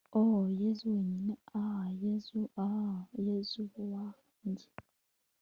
ah! yezu wanjye; ah! yezu! ah! yezu wanjye